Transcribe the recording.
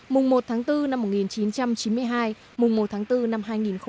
mùng một tháng bốn năm một nghìn chín trăm chín mươi hai mùng một tháng bốn năm hai nghìn hai mươi